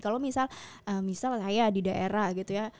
kalau misal misal saya di daerah gitu ya